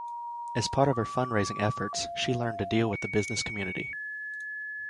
As part of her fundraising efforts, she learned to deal with the business community.